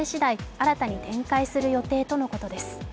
新たに展開する予定とのことです。